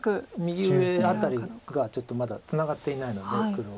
右上辺りがちょっとまだツナがっていないので黒。